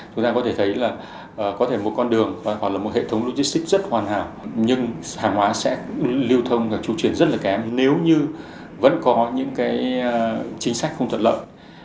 chúng ta có thể thấy là có thể một con đường hoặc là một hệ thống logistics rất hoàn hảo nhưng hàng hóa sẽ lưu thông và trụ truyền rất là kém nếu như vẫn có những chính sách không thuận lợi